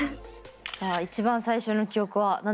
さあ一番最初の記憶は何ですか？